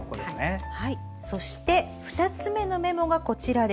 そして２つ目のメモがこちら。